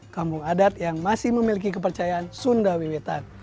kampung adat yang masih memiliki kepercayaan sunda wiwitan